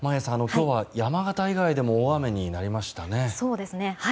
今日は山形以外でも大雨になりましたね。